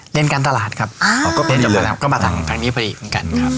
เรียนการตลาดครับอ่าก็เรียนจบกันครับก็มาทางทางนี้พอดีเหมือนกันครับ